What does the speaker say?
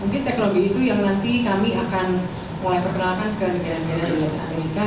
mungkin teknologi itu yang nanti kami akan mulai perkenalkan ke negara negara